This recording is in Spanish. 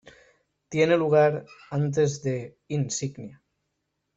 Tiene lugar antes de "Insignia".